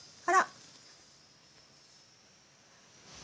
あら？